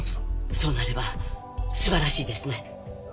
そうなれば素晴らしいですね。